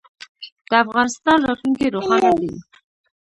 د افغانستان راتلونکی روښانه دی